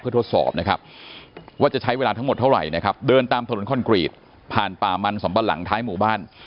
ทดสอบนะครับว่าจะใช้เวลาทั้งหมดเท่าไหร่นะครับเดินตามถนนคอนกรีตผ่านป่ามันสำปะหลังท้ายหมู่บ้าน